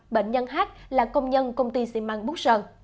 bệnh nhân h là công nhân công ty xi măng bút sơn